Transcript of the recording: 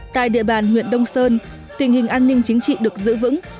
tại địa bàn huyện đông sơn tình hình an ninh chính trị được giữ vững